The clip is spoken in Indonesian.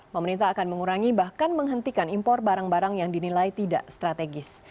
pemerintah akan mengurangi bahkan menghentikan impor barang barang yang dinilai tidak strategis